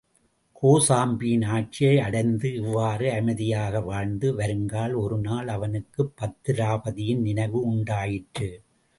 கோசாம்பியின் ஆட்சியை அடைந்து இவ்வாறு அமைதியாக வாழ்ந்து வருங்கால், ஒருநாள் அவனுக்குப் பத்திராபதியின் நினைவு உண்டாயிற்று.